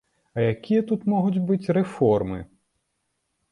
А якія тут могуць быць рэформы?